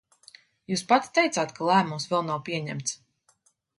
Jūs pats teicāt, ka lēmums vēl nav pieņemts.